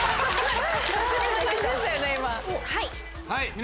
はい。